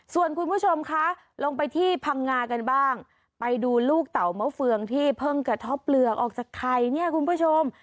ส่วนคุณผู้ชมคะลงไปที่พังงากันบ้างไปดูลูกเต่ามะเฟืองที่เพิ่งกระท่อเปลือกออกจากไข่เนี่ยคุณผู้ชม